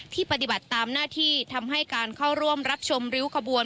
ปฏิบัติตามหน้าที่ทำให้การเข้าร่วมรับชมริ้วขบวน